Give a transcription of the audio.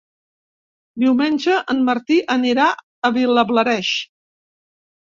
Diumenge en Martí anirà a Vilablareix.